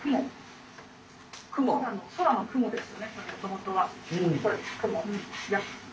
空の雲ですね